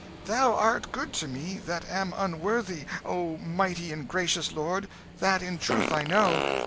"Thou art good to me that am unworthy, O mighty and gracious lord: that in truth I know.